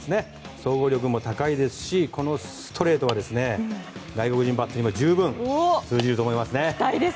総合力も高いですしこのストレートは外国人バッターにも通じると思います。